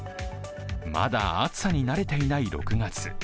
まだ暑さに慣れていない６月。